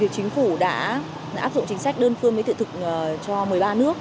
chính phủ đã áp dụng chính sách đơn phương mới thực thực cho một mươi ba